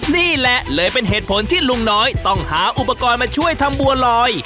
นี่แหละเลยเป็นเหตุผลที่ลุงน้อยต้องหาอุปกรณ์มาช่วยทำบัวลอย